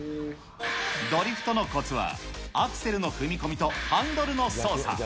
ドリフトのこつは、アクセルの踏み込みとハンドルの操作。